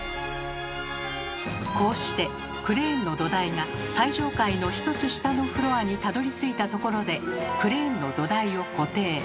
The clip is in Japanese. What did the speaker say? こうしてクレーンの土台が最上階の１つ下のフロアにたどりついたところでクレーンの土台を固定。